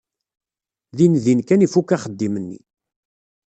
Dindin kan ifuk axeddim-nni.